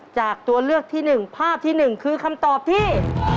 จากตัวเลือกที่หนึ่งภาพที่หนึ่งคือคำตอบที่